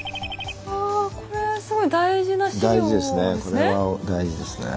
あこれすごい大事な資料ですね。